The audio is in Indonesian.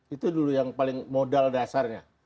itu dulu yang paling modal dasarnya